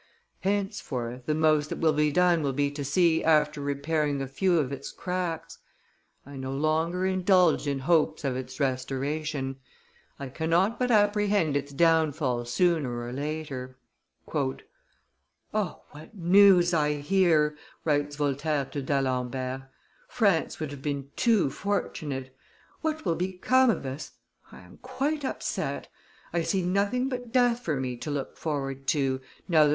Henceforth, the most that will be done will be to see after repairing a few of its cracks. I no longer indulge in hopes of its restoration; I cannot but apprehend its downfall sooner or later." "O, what news I hear!" writes Voltaire to D'Alembert; "France would have been too fortunate. What will become of us? I am quite upset. I see nothing but death for me to look forward to, now that M.